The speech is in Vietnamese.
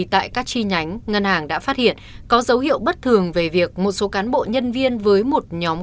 tại các chi nhánh ngân hàng đã phát hiện có dấu hiệu bất thường về việc một số cán bộ nhân viên với một nhóm